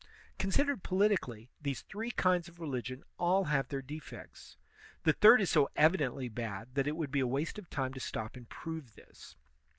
Considered politically, these three kinds of religion all have their defects. The third is so evidently bad that it would be a waste of time to stop and prove this.